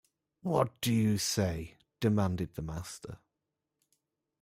‘What do you say?’ demanded the master.